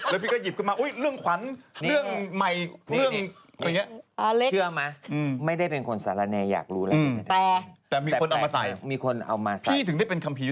แล้วพี่ก็หยิบขึ้นมาเรื่องขวัญเรื่องใหม่เรื่องอย่างนี้